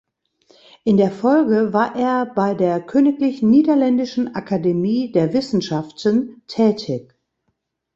In der Folge war er bei der Königlich Niederländischen Akademie der Wissenschaften tätig.